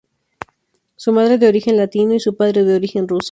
Su madre de origen latino y su padre de origen ruso.